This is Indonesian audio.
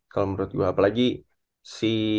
kalo menurut gua apalagi si